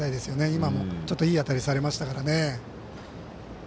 今も、ちょっといい当たりされましたから。